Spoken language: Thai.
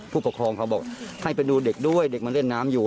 ผู้ปกครองเขาบอกให้ไปดูเด็กด้วยเด็กมาเล่นน้ำอยู่